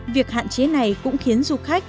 việc hạn chế này cũng khiến du khách